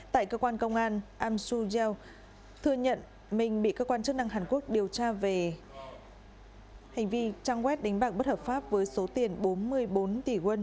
tại cơ quan công an amsu jee thừa nhận mình bị cơ quan chức năng hàn quốc điều tra về hành vi trang web đánh bạc bất hợp pháp với số tiền bốn mươi bốn tỷ quân